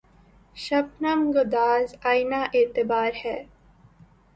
شبنم‘ گداز آئنۂ اعتبار ہے